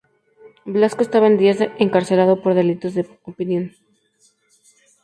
Blasco estaba en esos días encarcelado por delitos de opinión.